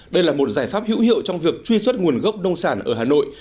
đây là một giải pháp hữu hiệu trong việc truy xuất nguồn gốc nông sản ở hà nội